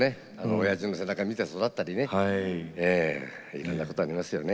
おやじの背中見て育ったりねいろんなことありますよね。